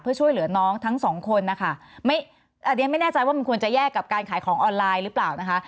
เพื่อช่วยเหลือน้องทั้งสองคนนะคะไม่อันนี้ไม่แน่ใจว่ามันควรจะแยกกับการขายของออนไลน์หรือเปล่านะคะ